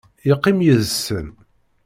Yeqqim yid-sen.